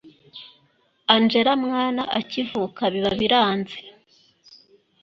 angella mwana akivuga biba biranze